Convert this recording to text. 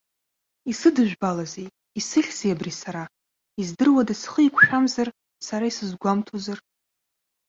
Исыдыжәбалазеи, исыхьзеи абри сара, издыруада схы еиқәшәамзар, сара исызгәамҭозар!